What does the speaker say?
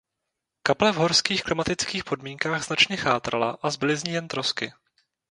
Kaple v horských klimatických podmínkách značně chátrala a zbyly z ní jen trosky.